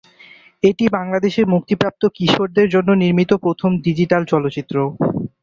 এটি বাংলাদেশে মুক্তিপ্রাপ্ত কিশোরদের জন্য নির্মিত প্রথম ডিজিটাল চলচ্চিত্র।